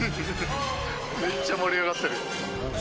めっちゃ盛り上がってる。